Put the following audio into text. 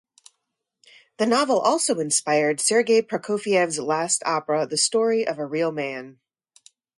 The novel also inspired Sergei Prokofiev's last opera "The Story of a Real Man".